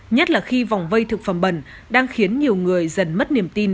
nhất là khi vòng vây thực phẩm bẩn đang khiến nhiều người dần mất niềm tin